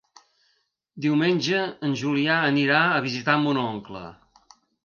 Diumenge en Julià anirà a visitar mon oncle.